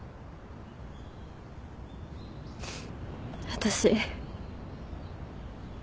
私。